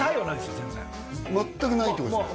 全然全くないってことですか？